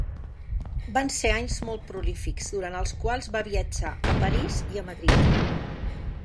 Van ser anys molt prolífics, durant els quals va viatjar a París i Madrid.